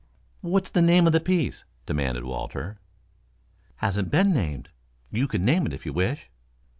"What's the name of the piece?" demanded Walter. "Hasn't been named. You can name it if you wish."